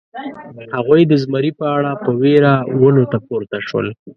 هغوی د زمري په اړه په وېره ونو ته پورته شول.